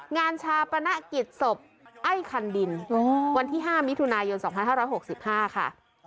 งานชาปนกิจศพไอ้คันดินวันที่๕มิถุนายน๒๕๖๕ค่ะ